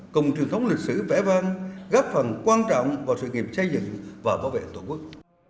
cùng truyền thống lịch sử vẽ vang góp phần quan trọng vào sự nghiệp xây dựng và bảo vệ tổ quốc